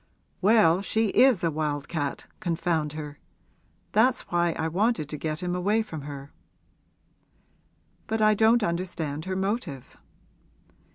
'Well, she is a wild cat confound her! That's why I wanted to get him away from her.' 'But I don't understand her motive.'